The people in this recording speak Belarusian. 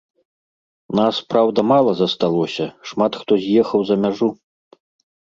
Нас, праўда, мала засталося, шмат хто з'ехаў за мяжу.